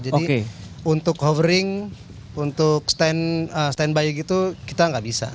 jadi untuk hovering untuk standby gitu kita nggak bisa